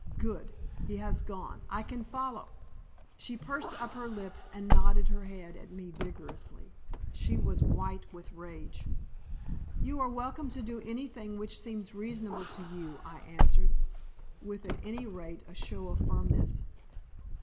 Good! he has gone. I can follow." She pursed up her lips and nodded her head at me vigorously. She was white with rage. "You are welcome to do anything which seems reasonable to you," I answered, with at any rate a show of firmness.